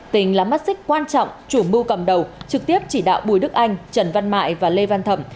tình là mắt xích quan trọng chủ mưu cầm đầu trực tiếp chỉ đạo bùi đức anh trần văn mại và lê văn thẩm